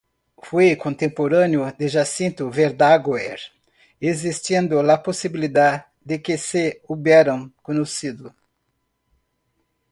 Fue contemporáneo de Jacinto Verdaguer, existiendo la posibilidad de que se hubieran conocido.